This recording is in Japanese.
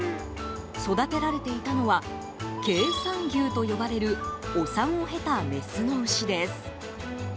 育てられていたのは経産牛と呼ばれるお産を経たメスの牛です。